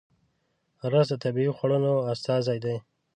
رس د طبیعي خوړنو استازی دی